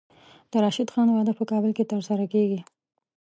د راشد خان واده په کابل کې ترسره کیږي.